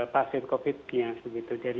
pasien covid sembilan belas nya